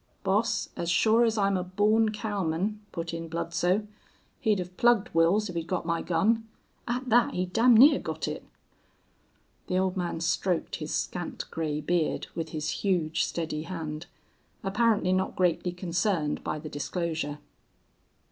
"Boss, as sure as I'm a born cowman," put in Bludsoe, "he'd hev plugged Wils if he'd got my gun. At thet he damn near got it!" The old man stroked his scant gray beard with his huge, steady hand, apparently not greatly concerned by the disclosure.